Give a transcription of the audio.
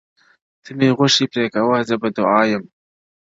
ته مي غوښي پرې کوه زه په دعا یم -